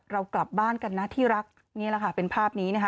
เรากลับบ้านกันนะที่รักนี่แหละค่ะเป็นภาพนี้นะคะ